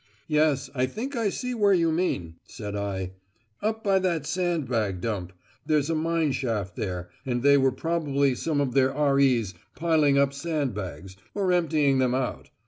"Yes, I think I see where you mean," said I; "up by that sand bag dump. There's a mine shaft there, and they were probably some of their R.E.'s piling up sand bags, or emptying them out.